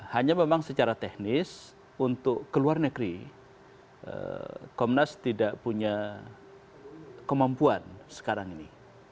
hanya memang secara teknis untuk ke luar negeri komnas tidak punya kemampuan sekarang ini